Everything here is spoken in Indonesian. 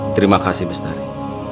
terima kasih miss nari